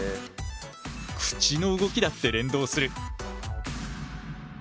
口の動きだって連動する。